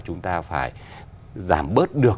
chúng ta phải giảm bớt được